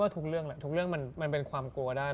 ทุกเรื่องมันเป็นความกลัวได้